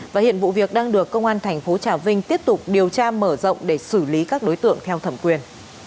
và hiện vụ việc đang được công an thành phố trà vinh tiếp tục điều tra mở rộng để xử lý các đối tượng theo thẩm quyền